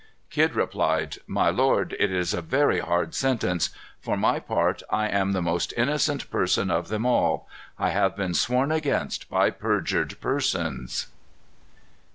Kidd replied, "My lord, it is a very hard sentence. For my part, I am the most innocent person of them all. I have been sworn against by perjured persons."